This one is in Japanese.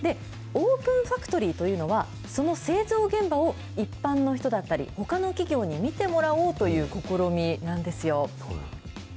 オープンファクトリーというのはその製造現場を一般の人だったり、ほかの企業に見てもらおうという試みなんですよ。